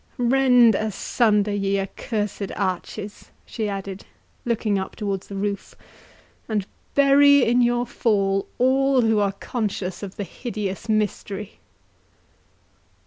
—Rend asunder, ye accursed arches," she added, looking up towards the roof, "and bury in your fall all who are conscious of the hideous mystery!"